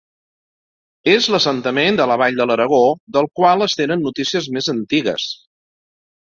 És l'assentament de la Vall de l'Aragó del qual es tenen notícies més antigues.